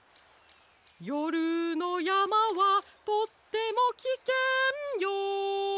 「よるのやまはとってもきけんよ」